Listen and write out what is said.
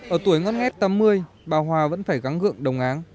ở tuổi ngất ngét tám mươi bà hòa vẫn phải gắng gượng đồng áng